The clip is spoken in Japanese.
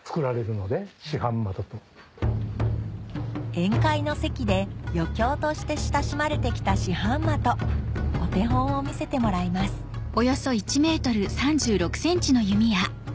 宴会の席で余興として親しまれてきた四半的お手本を見せてもらいますお。